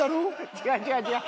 違う違う違う！